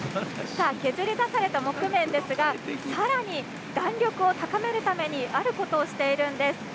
さあ、削り出された木毛ですがさらに、弾力を高めるためにあることをしているんです。